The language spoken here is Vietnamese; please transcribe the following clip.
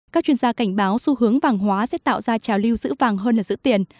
các chuyên gia cảnh báo xu hướng vàng hóa sẽ tạo ra trào lưu giữ vàng hơn là giữ tiền